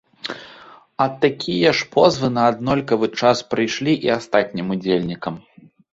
А такія ж позвы на аднолькавы час прыйшлі і астатнім ўдзельнікам.